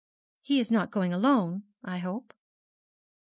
'He is not going alone, I hope?'